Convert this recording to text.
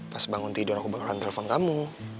pas bangun tidur aku bakalan telepon kamu